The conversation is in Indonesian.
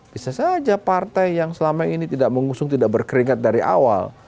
bisa saja partai yang selama ini tidak mengusung tidak berkeringat dari awal